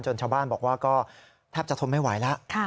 ชาวบ้านบอกว่าก็แทบจะทนไม่ไหวแล้ว